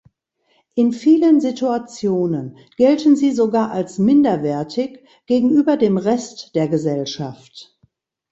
In vielen Situationen gelten sie sogar als minderwertig gegenüber dem Rest der Gesellschaft.